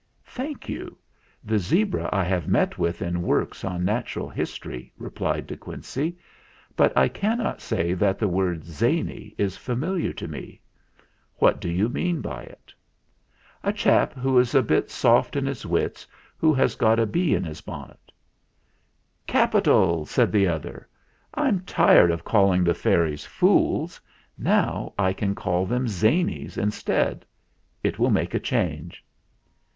"Thank you; the zebra I have met with in works on natural history," replied De Quincey; "but I cannot say that the word 'zany' is familiar to me. What do you mean by it?" T02 THE FLINT HEART "A chap who is a bit soft in his wits who has got a bee in his bonnet." "Capital!" said the other. "I'm tired of calling the fairies fools; now I can call them 'zanies' instead. It will make a change."